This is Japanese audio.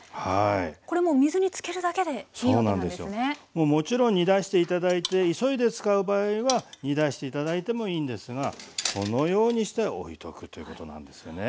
もうもちろん煮出して頂いて急いで使う場合は煮出して頂いてもいいんですがこのようにしておいとくということなんですよね。